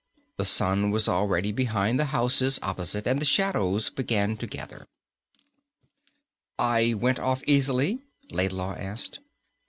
The sun was already behind the houses opposite, and the shadows began to gather. "I went off easily?" Laidlaw asked.